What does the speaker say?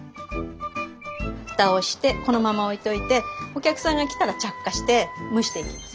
フタをしてこのまま置いといてお客さんが来たら着火して蒸していきます。